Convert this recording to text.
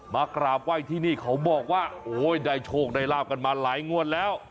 มากราบไหว้ที่นี่เขาบอกว่าโอ้ยได้โชคได้ลาบกันมาหลายงวดแล้ว